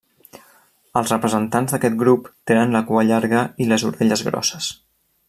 Els representants d'aquest grup tenen la cua llarga i les orelles grosses.